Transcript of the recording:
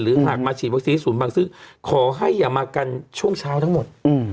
หากมาฉีดวัคซีนศูนย์บังซื้อขอให้อย่ามากันช่วงเช้าทั้งหมด